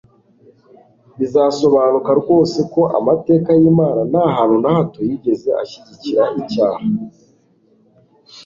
Bizasobanuka rwose ko amateka y'Imana nta hantu na hato yigeze ashyigikira icyaha.